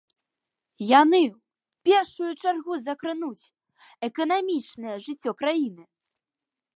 Яны, у першую чаргу, закрануць эканамічнае жыццё краіны.